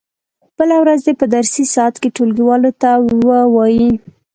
بله ورځ دې په درسي ساعت کې ټولګیوالو ته و وایي.